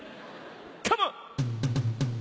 カモン！